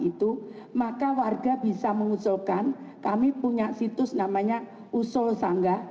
itu maka warga bisa mengusulkan kami punya situs namanya usul sangga